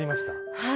はい。